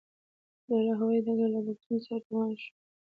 له هوايي ډګره له بکسونو سره روان شوو.